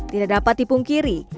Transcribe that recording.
tidak dapat dipungkiri